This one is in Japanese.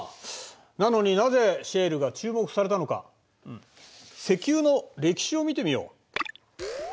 なのになぜシェールが注目されたのか石油の歴史を見てみよう。